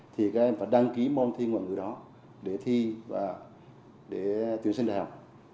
thì các em phải đăng ký môn thi ngoài ngữ đó để thi và để tuyển sinh đại học